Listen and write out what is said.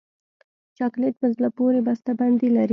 چاکلېټ په زړه پورې بسته بندي لري.